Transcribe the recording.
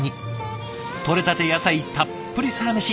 とれたて野菜たっぷりサラメシ